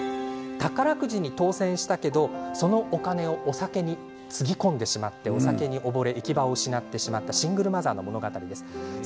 宝くじに当せんしたけれどもそのお金をお酒につぎ込んでお酒に溺れて行き場を失ってしまったシングルマザーの物語です。